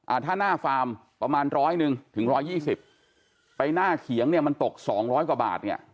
อ่าถ้าหน้าฟาร์มประมาณร้อยหนึ่งถึงร้อยยี่สิบไปหน้าเขียงเนี่ยมันตกสองร้อยกว่าบาทเนี่ย